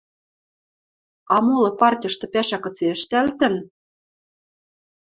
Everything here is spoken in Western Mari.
А молы партьышты пӓшӓ кыце ӹштӓлтӹн?